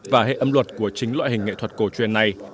và hệ âm luật của chính loại hình nghệ thuật cổ truyền này